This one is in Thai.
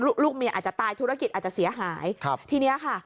ลูกลูกเมียอาจจะตายธุรกิจอาจจะเสียหายครับทีเนี้ยค่ะ